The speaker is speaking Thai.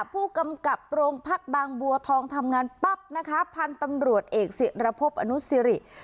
ผู้กำกับโรงพักบางบัวทองทำงานปั๊บนะคะพันธุ์ตำรวจเอกศิรพบอนุสิริ